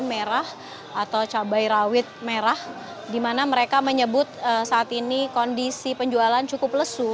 merah atau cabai rawit merah di mana mereka menyebut saat ini kondisi penjualan cukup lesu